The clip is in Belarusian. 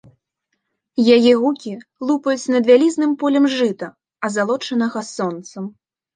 Яе гукі лупаюць над вялізным полем жыта, азалочанага сонцам.